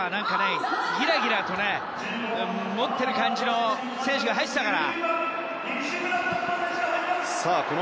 ギラギラとね持ってる感じの選手が入ってきたから。